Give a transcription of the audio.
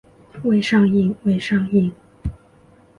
未上映未上映